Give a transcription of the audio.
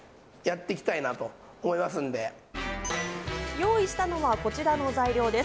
用意したのはこちらの材料です。